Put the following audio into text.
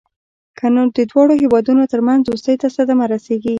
کنه نو د دواړو هېوادونو ترمنځ دوستۍ ته صدمه رسېږي.